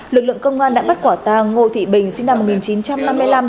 lực lượng công an đã bắt quả tang ngô thị bình sinh năm một nghìn chín trăm năm mươi năm